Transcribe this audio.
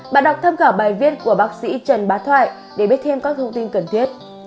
bạn đọc tham khảo bài viết của bác sĩ trần bá thoại để biết thêm các thông tin cần thiết